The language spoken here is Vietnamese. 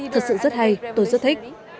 thật sự rất hay tôi rất thích